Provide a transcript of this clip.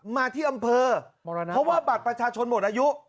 มาที่อำเภอเพราะว่าบัตรประชาชนหมดอายุ